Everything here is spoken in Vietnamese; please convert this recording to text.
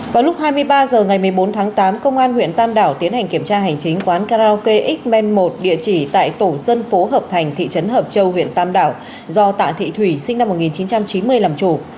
vào lúc hai mươi ba h ngày một mươi bốn tháng tám công an huyện tam đảo tiến hành kiểm tra hành chính quán karaoke x men một địa chỉ tại tổ dân phố hợp thành thị trấn hợp châu huyện tam đảo do tạ thị thủy sinh năm một nghìn chín trăm chín mươi làm chủ